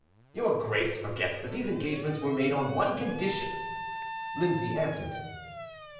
"Your Grace forgets that these engagements were made on one condition," Lindsay answered.